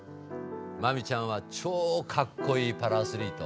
真海ちゃんは超かっこいいパラアスリート。